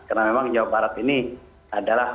karena memang jawa barat ini adalah